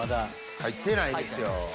入ってないですよ。